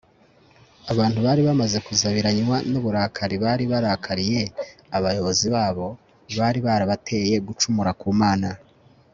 Abantu bari bamaze kuzabiranywa nuburakari bari barakariye abayobozi babo bari barabateye gucumura ku Mana